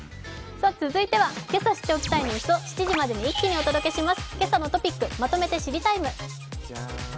続いてはけさ知っておきたいニュースを７時までに一気にお届けします。